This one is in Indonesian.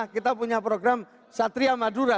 kita punya program satria madura